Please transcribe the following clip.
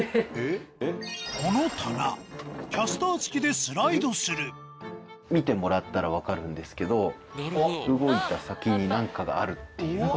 この棚キャスター付きでスライドする見てもらったら分かるんですけど動いた先に何かがあるっていう。